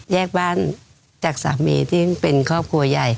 แยกบ้านจากสามีที่เป็นครอบครัวใหญ่